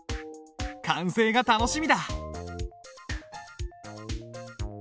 完成が楽しみだ。